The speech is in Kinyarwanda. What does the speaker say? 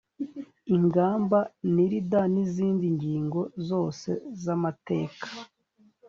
inganda nirda n izindi ngingo zose z amateka